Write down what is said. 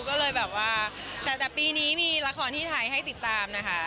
ก็เลยแบบว่าแต่ปีนี้มีละครที่ไทยให้ติดตามนะคะ